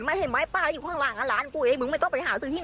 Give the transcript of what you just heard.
คุณผู้ชมผู้ใหญ่บางคนก็อยากเป็นเด็กเหมือนกัน